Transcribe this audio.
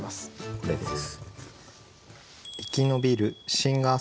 これです。